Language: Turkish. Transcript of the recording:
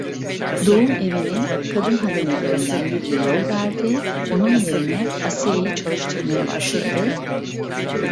Doğumevinin kadın hademelerinden birine yol verdi, onun yerine Asiye'yi çalıştırmaya başladı.